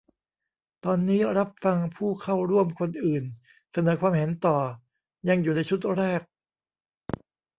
ตอนนี้รับฟังผู้เข้าร่วมคนอื่นเสนอความเห็นต่อ ยังอยู่ในชุดแรก